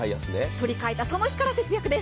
取り替えたその日から節約です。